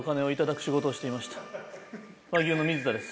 和牛の水田です。